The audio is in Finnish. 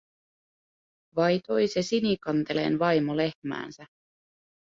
Vai toi se Sinikanteleen vaimo lehmäänsä.